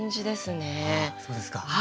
あそうですか。